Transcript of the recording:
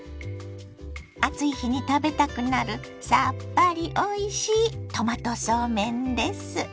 暑い日に食べたくなるさっぱりおいしいトマトそうめんです。